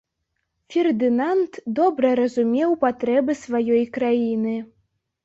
Фердынанд добра разумеў патрэбы сваёй краіны.